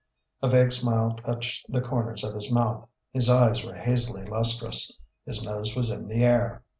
A vague smile touched the corners of his mouth; his eyes were hazily lustrous; his nose was in the air.